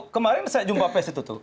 kemarin saya jumpa pes itu tuh